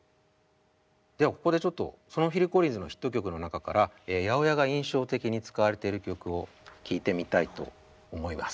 ではここでちょっとそのフィル・コリンズのヒット曲の中から８０８が印象的に使われている曲を聴いてみたいと思います。